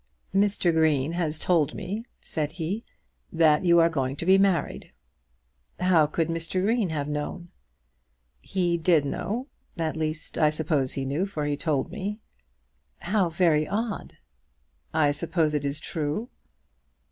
"Mr. Green has told me," said he, "that you are going to be married." "How could Mr. Green have known?" "He did know; at least I suppose he knew, for he told me." "How very odd." "I suppose it is true?"